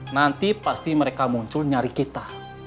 nanti pasti mereka muncul nyari kita